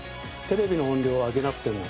「テレビの音量を上げなくても」